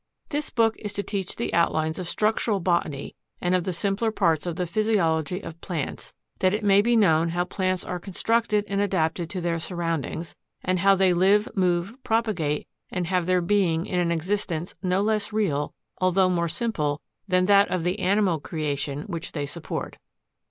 4. This book is to teach the outlines of Structural Botany and of the simpler parts of the physiology of plants, that it may be known how plants are constructed and adapted to their surroundings, and how they live, move, propagate, and have their being in an existence no less real, although more simple, than that of the animal creation which they support.